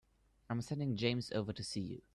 I'm sending James over to see you.